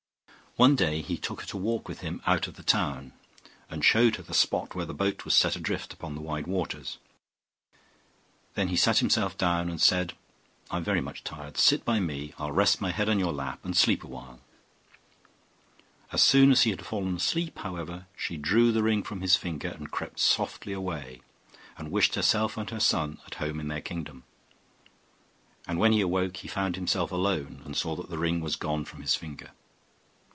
One day he took her to walk with him out of the town, and showed her the spot where the boat was set adrift upon the wide waters. Then he sat himself down, and said, 'I am very much tired; sit by me, I will rest my head in your lap, and sleep a while.' As soon as he had fallen asleep, however, she drew the ring from his finger, and crept softly away, and wished herself and her son at home in their kingdom. And when he awoke he found himself alone, and saw that the ring was gone from his finger.